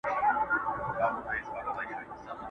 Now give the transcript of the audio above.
o چي طلب ئې کوې، پر پېښ به سې!